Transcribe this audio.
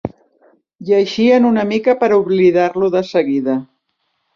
Llegien una mica per oblidar-lo des seguida